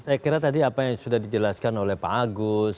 saya kira tadi apa yang sudah dijelaskan oleh pak agus